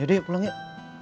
yaudah pulang yuk